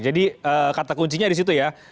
jadi kata kuncinya disitu ya